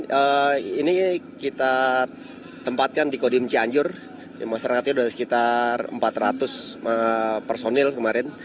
jadi kita tempatkan di kodim cianjur masyarakatnya sudah sekitar empat ratus personil kemarin